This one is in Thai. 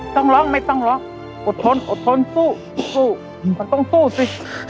ต้องร้องไม่ต้องร้องอดทนอดทนสู้สู้มันต้องสู้สิ